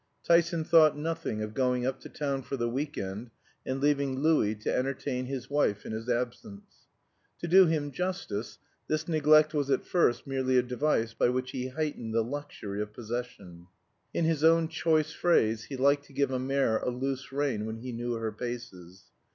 Tyson thought nothing of going up to town for the week end and leaving Louis to entertain his wife in his absence. To do him justice, this neglect was at first merely a device by which he heightened the luxury of possession. In his own choice phrase, he "liked to give a mare a loose rein when he knew her paces."